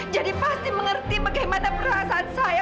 jadi pasti mengerti bagaimana perasaan saya